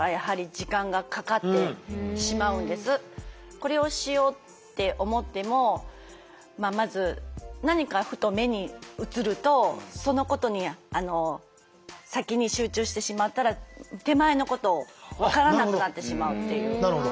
これをしようって思ってもまず何かふと目に映るとそのことに先に集中してしまったら手前のことを分からなくなってしまうっていう。